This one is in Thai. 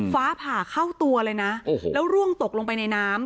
ฟ้าผ่าเข้าตัวเลยนะแล้วร่วงตกลงไปในน้ำ